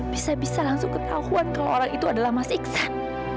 bisa bisa langsung ketahuan kalau orang itu adalah mas iksan